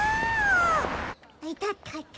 いたたたた。